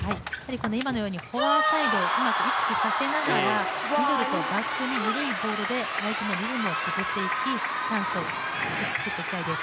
今のようにフォアサイドをうまく意識させながらミドルとバックに緩いボールで相手のリズムを崩していき、チャンスを作っていきたいです。